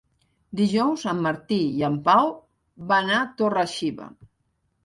Dijous en Martí i en Pau van a Torre-xiva.